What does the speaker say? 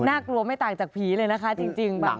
น่ากลัวไม่ต่างจากผีเลยนะคะจริง